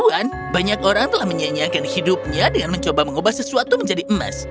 bukan banyak orang telah menyanyiakan hidupnya dengan mencoba mengubah sesuatu menjadi emas